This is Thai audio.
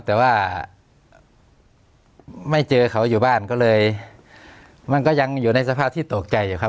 แต่ว่าไม่เจอเขาอยู่บ้านก็เลยมันก็ยังอยู่ในสภาพที่ตกใจอยู่ครับ